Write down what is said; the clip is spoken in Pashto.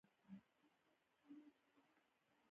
ازادي راډیو د هنر وضعیت انځور کړی.